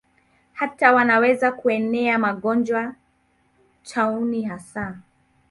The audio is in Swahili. Hata wanaweza kuenea magonjwa, tauni hasa.